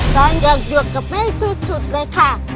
ตอนอยากหยุดกับแม่ที่สุดเลยค่ะ